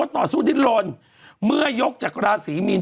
มันจะเป็นราชาโชค